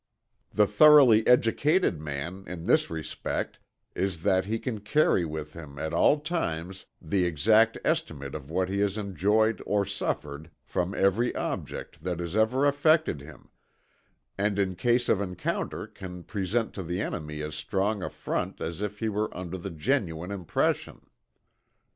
The thoroughly educated man, in this respect, is he that can carry with him at all times the exact estimate of what he has enjoyed or suffered from every object that has ever affected him, and in case of encounter can present to the enemy as strong a front as if he were under the genuine impression.